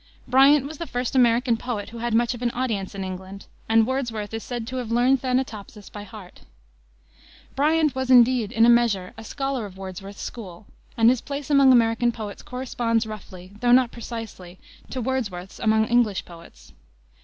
Bryant was the first American poet who had much of an audience in England, and Wordsworth is said to have learned Thanatopsis by heart. Bryant was, indeed, in a measure, a scholar of Wordsworth's school, and his place among American poets corresponds roughly, though not precisely, to Wordsworth's among English poets.